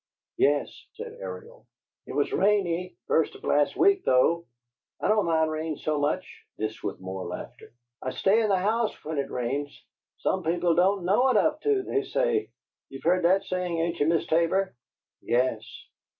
"Yes," said Ariel. "It was rainy, first of last week, though. I don't mind rain so much" this with more laughter, "I stay in the house when it rains. Some people don't know enough to, they say! You've heard that saying, ain't you, Miss Tabor?" "Yes."